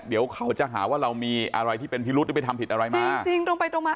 เดี๋ยวเขาจะหาว่าเรามีอะไรที่เป็นพิรุษหรือไปทำผิดอะไรมาจริงตรงไปตรงมา